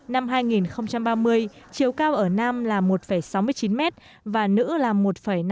năm hai nghìn ba mươi chiều cao ở nam là một sáu mươi chín m và nữ là một năm mươi tám m